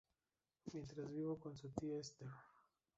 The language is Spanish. Mientras vivió con su tía Esther.